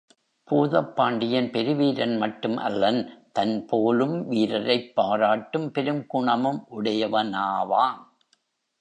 பூதப் பாண்டியன் பெருவீரன் மட்டும் அல்லன் தன் போலும் வீரரைப் பாராட்டும் பெருங்குணமும் உடையவனாவான்.